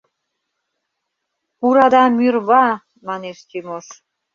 — Пурада мӱрва! — манеш Чимош.